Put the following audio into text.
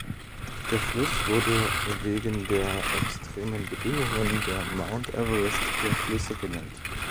Der Fluss wurde wegen der extremen Bedingungen der „Mount Everest der Flüsse“ genannt.